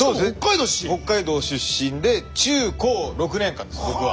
北海道出身で中高６年間です僕は。